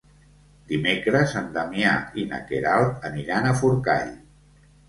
Dimecres en Damià i na Queralt aniran a Forcall.